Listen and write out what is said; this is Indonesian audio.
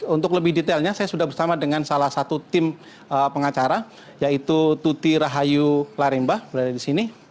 untuk lebih detailnya saya sudah bersama dengan salah satu tim pengacara yaitu tuti rahayu laremba berada di sini